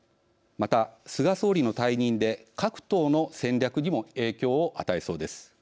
また菅総理の退任で各党の戦略にも影響を与えそうです。